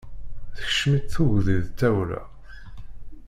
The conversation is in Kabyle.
Tekcem-itt tudgi d tawla.